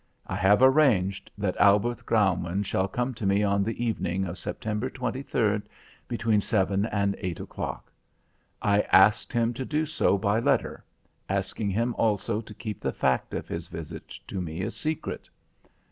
I have arranged that Albert Graumann shall come to me on the evening of September 23rd between 7 and 8 o'clock. I asked him to do so by letter, asking him also to keep the fact of his visit to me a secret.